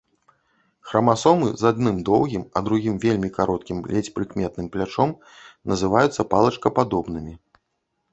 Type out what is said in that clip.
Храмасомы з адным доўгім, а другім вельмі кароткім, ледзь прыкметным плячом называюцца палачкападобнымі.